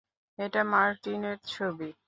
এটা মার্টিনের ছবি।